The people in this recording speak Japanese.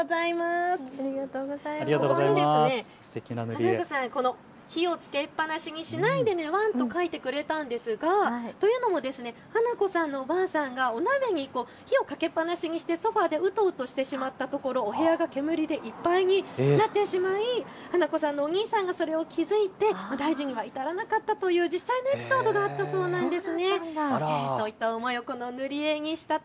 はなこさん、火をつけっぱなしにしないでね、ワンと書いてくれたんですが、というのもはなこさんのおばあちゃんが鍋に火をかけっぱなしにしてソファーでうとうとしてしまったところお部屋が煙でいっぱいになってしまいはなこさんのお兄さんがそれに気付いて大事には至らなかったという実際のエピソードがあったそうなんです。